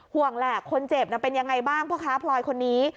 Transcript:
ห่วงแหละคนเจ็บเป็นยังไงบ้างพ่อค้าพลอยคนนี้